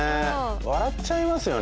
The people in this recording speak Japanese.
笑っちゃいますよね